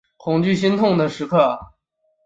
恐惧心痛的时刻